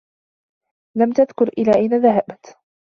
لم تذكر إلى أين ذهبت.